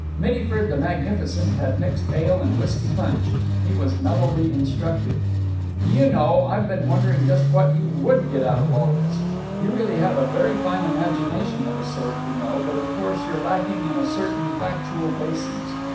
Mittyford, the magnificent, had mixed ale and whisky punch. He was mellowly instructive: "Do you know, I've been wondering just what you would get out of all this. You really have a very fine imagination of a sort, you know, but of course you're lacking in certain factual bases.